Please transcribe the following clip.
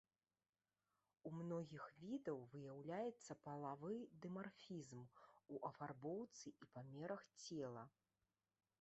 У многіх відаў выяўляецца палавы дымарфізм у афарбоўцы і памерах цела.